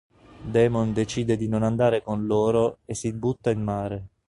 Damon decide di non andare con loro e si butta in mare.